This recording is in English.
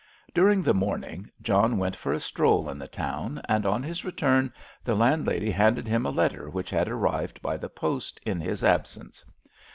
During the morning John went for a stroll in the town, and on his return the landlady handed him a letter which had arrived by the post in his absence.